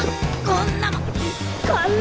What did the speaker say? こんなもん！